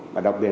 và đặc biệt